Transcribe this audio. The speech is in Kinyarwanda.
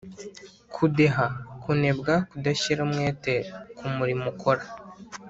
kudeha: kunebwa, kudashyira umwete ku murimo ukora